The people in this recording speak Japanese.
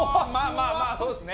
まあまあそうですね。